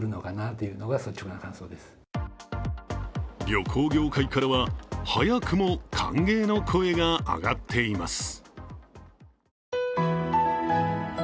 旅行業界からは、早くも歓迎の声が上がっています。